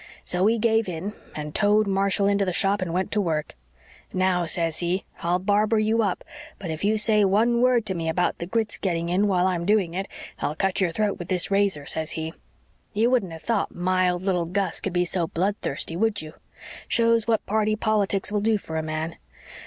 So he gave in and towed Marshall in to the shop and went to work. 'Now,' says he, 'I'll barber you up, but if you say one word to me about the Grits getting in while I'm doing it I'll cut your throat with this razor,' says he. You wouldn't have thought mild little Gus could be so bloodthirsty, would you? Shows what party politics will do for a man.